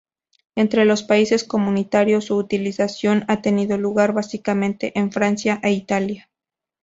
Entre los países comunitarios su utilización ha tenido lugar, básicamente, en Francia e Italia.